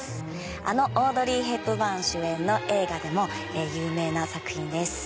あのオードリー・ヘプバーン主演の映画でも有名な作品です。